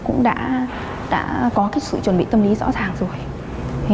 cũng đã có cái sự chuẩn bị tâm lý rõ ràng rồi